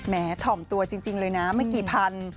ถ่อมตัวจริงเลยนะไม่กี่พัน